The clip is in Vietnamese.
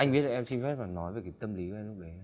anh biết là em xin phép và nói về cái tâm lý của em lúc đấy